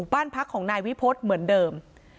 บ้านพักของนายวิพฤษเหมือนเดิม